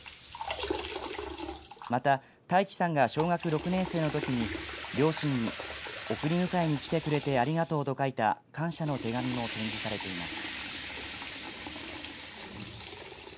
また、大輝さんが小学６年生のときに両親に送りむかえに来てくれてありがとうと書いた感謝の手紙も展示されています。